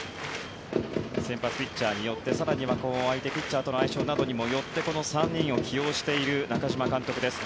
先発ピッチャーによって更には相手ピッチャーとの相性によってこの３人を起用している中嶋監督です。